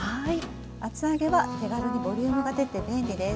厚揚げは手軽にボリュームが出て便利です。